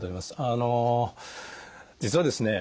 あの実はですね